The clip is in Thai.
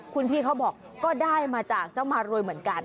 คุณพี่เขาบอกก็ได้มาจากเจ้ามารวยเหมือนกัน